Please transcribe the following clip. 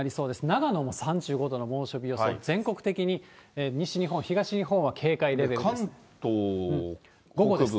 長野も３５度の猛暑日予想、全国的に西日本、東日本は警戒レベルです。